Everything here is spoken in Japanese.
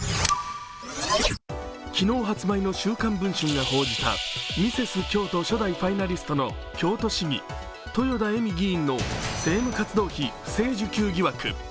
昨日発売の「週刊文春」が報じたミセス京都初代ファイナリストの京都市議豊田恵美議員の政務活動費不正受給疑惑。